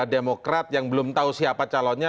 demokrat yang belum tahu siapa calonnya